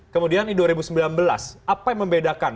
kemudian di dua ribu sembilan belas apa yang membedakan